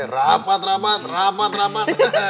rapat rapat rapat rapat